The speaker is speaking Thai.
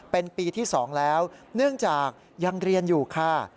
เป็นปีที่๒แล้วเนื่องจากยังเรียนอยู่ค่ะ